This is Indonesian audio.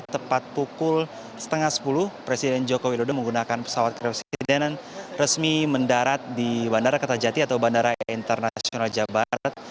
tepat pukul setengah sepuluh presiden joko widodo menggunakan pesawat kepresidenan resmi mendarat di bandara kertajati atau bandara internasional jawa barat